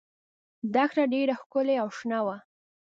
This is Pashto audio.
دښته ډېره ښکلې او شنه وه.